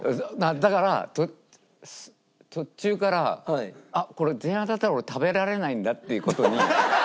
だから途中からあっこれ全員当たったら俺食べられないんだっていう事に。